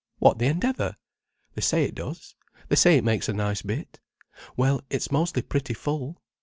What, the Endeavour?—they say it does. They say it makes a nice bit. Well, it's mostly pretty full.